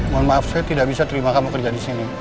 mohon maaf saya tidak bisa terima kamu kerja disini